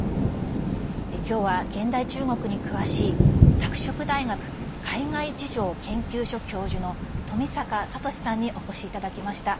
今日は現代中国に詳しい拓殖大学海外事情研究所教授の富坂聰さんにお越しいただきました。